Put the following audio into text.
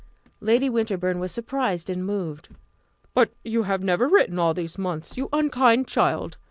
Lady Winterbourne was surprised and moved. "But you have never written all these months, you unkind child!